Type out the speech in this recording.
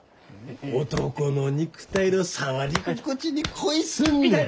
男の肉体の触り心地に恋すんねん！